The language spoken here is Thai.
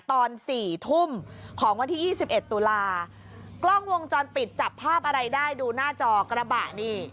ตอนสี่ทุ่มของวันที่ยี่สิบเอ็ดตุลากล้องวงจรปิดจับภาพอะไรได้ดูหน้าจอกระบะนี่